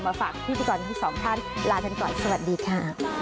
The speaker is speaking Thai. มาฝากคนที่สองท่านลาทางก่อนสวัสดีค่ะ